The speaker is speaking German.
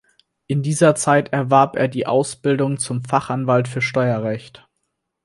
In dieser Zeit erwarb er die Ausbildung zum Fachanwalt für Steuerrecht.